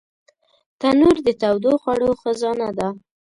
تنور د تودو خوړو خزانه ده